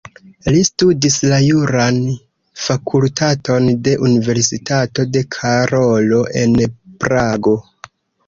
Li studis la juran fakultaton de Universitato de Karolo en Prago.